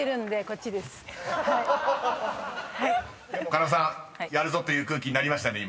［狩野さんやるぞという空気になりましたね